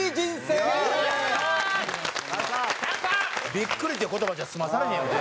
「ビックリ」って言葉じゃ済まされへんよね。